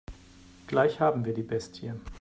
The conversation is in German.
Gleich haben wir die Bestie.